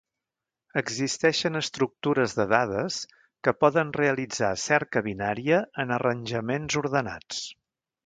Existeixen estructures de dades que poden realitzar cerca binària en arranjaments ordenats.